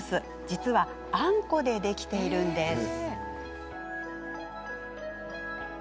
実は、あんこでできているんです。